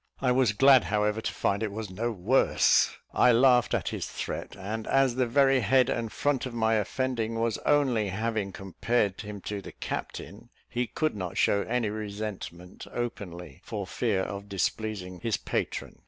I was glad, however, to find it was no worse. I laughed at his threat; and, as the very head and front of my offending was only having compared him to the captain, he could not show any resentment openly, for fear of displeasing his patron.